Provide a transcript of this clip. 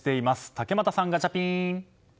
竹俣さん、ガチャピン！